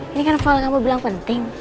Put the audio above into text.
ini kan file kamu bilang penting